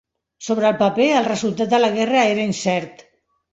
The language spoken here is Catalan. Sobre el paper, el resultat de la guerra era incert.